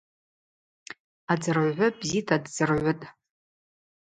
Адзыргӏвгӏвы бзита ддзыргӏвытӏ.